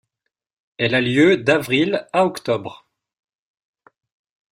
Elle a eu lieu d'avril à octobre.